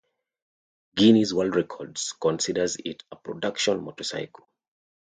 Guinness World Records considers it a production motorcycle.